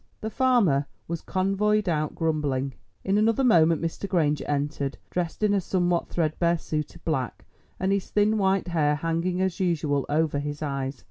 The farmer was convoyed out grumbling. In another moment Mr. Granger entered, dressed in a somewhat threadbare suit of black, and his thin white hair hanging, as usual, over his eyes.